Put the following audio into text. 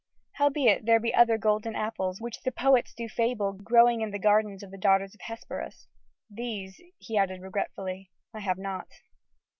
Howbeit there be other golden apples, which the poets do fable growing in the gardens of the daughters of Hesperus. These," he added regretfully, "I have not."